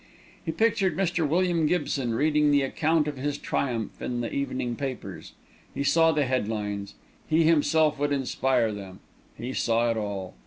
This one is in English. He pictured Mr. William Gibson reading the account of his triumph in the evening papers. He saw the headlines. He himself would inspire them. He saw it all.